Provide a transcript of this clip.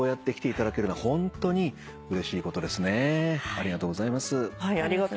ありがとうございます。